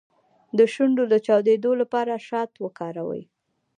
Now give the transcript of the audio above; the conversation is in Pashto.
د شونډو د چاودیدو لپاره شات وکاروئ